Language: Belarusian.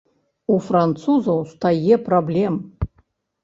У французаў стае праблем.